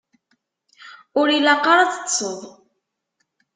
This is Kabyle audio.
Ur ilaq ara ad teṭṭseḍ.